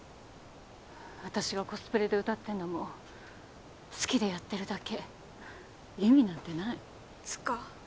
私がコスプレで歌ってんのも好きでやってるだけ意味なんてないつうか